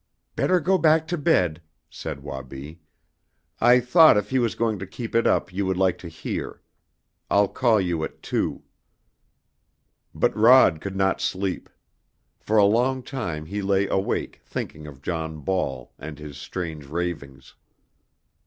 "Better go back to bed," said Wabi. "I thought if he was going to keep it up you would like to hear. I'll call you at two." But Rod could not sleep. For a long time he lay awake thinking of John Ball and his strange ravings.